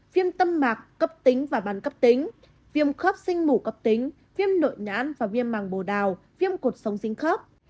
phiêm tâm mạc cấp tính và bắn cấp tính phiêm khớp sinh mủ cấp tính phiêm nội nhãn và phiêm màng bồ đào phiêm cột sống sinh khớp